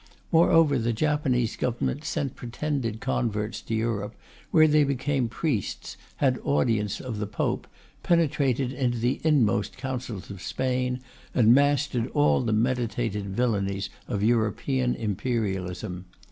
Moreover the Japanese Government sent pretended converts to Europe, where they became priests, had audience of the Pope, penetrated into the inmost councils of Spain, and mastered all the meditated villainies of European Imperialism.